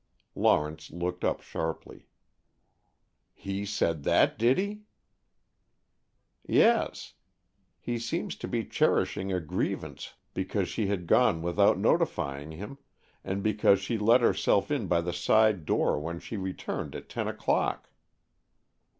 Lawrence looked up sharply. "He said that, did he?" "Yes. He seemed to be cherishing a grievance because she had gone out without notifying him, and because she let herself in by the side door when she returned at ten o'clock."